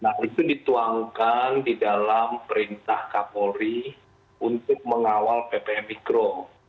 nah itu dituangkan di dalam perintah kabupaten umum mabes polri untuk mengawal ppkm mikro